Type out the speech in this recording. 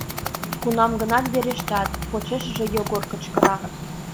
— Кунам-гынат верештат! — почешыже Йогор кычкыра.